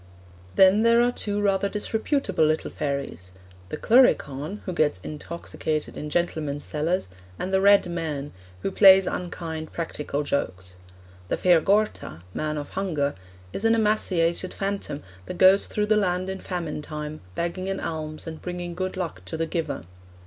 Then there are two rather disreputable little fairies the Cluricaun, who gets intoxicated in gentlemen's cellars, and the Red Man, who plays unkind practical jokes. 'The Fear Gorta (Man of Hunger) is an emaciated phantom that goes through the land in famine time, begging an alms and bringing good luck to the giver.'